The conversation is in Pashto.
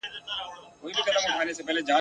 نه یې غم وو چي یې کار د چا په ښه دی ..